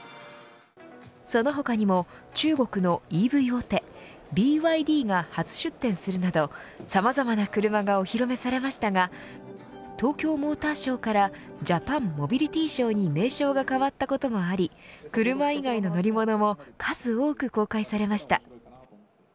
その他にも、中国のＥＶ大手ＢＹＤが初出展するなどさまざまな車がお披露目されましたが東京モーターショーからジャパンモビリティショーに名称が変わったこともあり車以外の乗り物も数多く公開されました。